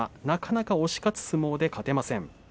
なかなか押し勝つ相撲で勝てません。